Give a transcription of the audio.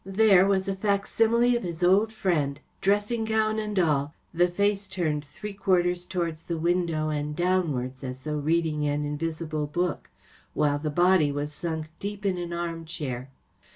There was a facsimile of his old friend, dressing gown and all, the face turned three quarters towards the window and downwards, as though reading an invisible book, while the body was sunk deep in an armchair.